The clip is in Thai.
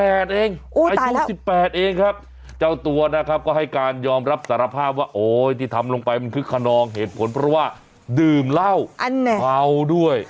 อายุ๑๘เองครับเจ้าตัวนะครับก็ให้การยอมรับสารภาพว่าโอ๊ยที่ทำลงไปมันคึกขนองเหตุผลเพราะว่าดื่มเหล้าเมาด้วย